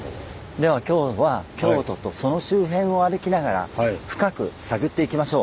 ではきょうは京都とその周辺を歩きながら深く探っていきましょう。